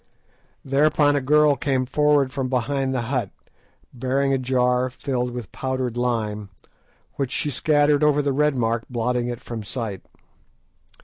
Thereupon a girl came forward from behind the hut, bearing a jar filled with powdered lime, which she scattered over the red mark, blotting it from sight.